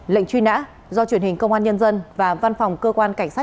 lệnh truy nã do truyền hình công an nhân dân và văn phòng cơ quan cảnh sát